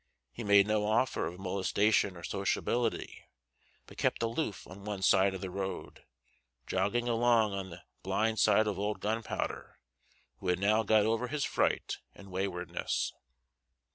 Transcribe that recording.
He made no offer of molestation or sociability, but kept aloof on one side of the road, jogging along on the blind side of old Gunpowder, who had now got over his fright and waywardness.